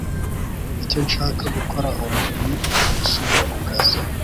Icyo nshaka gukora ubu ni ugusubira ku kazi